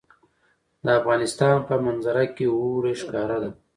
د افغانستان په منظره کې اوړي ښکاره ده.